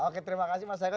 oke terima kasih mas yoko